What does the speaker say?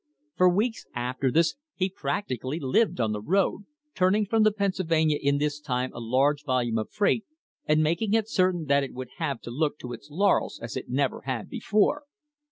For weeks after this he practically lived on the road, turning from the Pennsylvania in this time a large vol ume of freight, and making it certain that it would have to look to its laurels as it never had before.